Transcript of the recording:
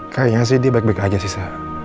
kayaknya sih dia baik baik aja sih sa